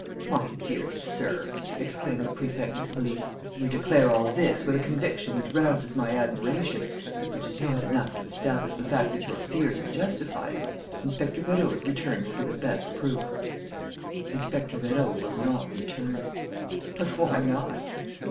"My dear sir," exclaimed the Prefect of Police, "you declare all this with a conviction which rouses my admiration, but which is not enough to establish the fact that your fears are justified. Inspector Vérot's return will be the best proof." "Inspector Vérot will not return." "But why not?"